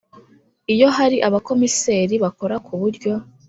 Iyo hari abakomiseri bakora ku buryo